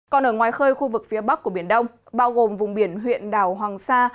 còn ở ngoài khơi khu vực phía bắc của biển đông bao gồm vùng biển huyện đảo hoàng sa